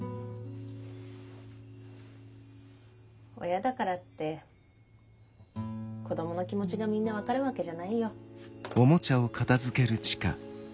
親だからって子供の気持ちがみんな分かるわけじゃないよ。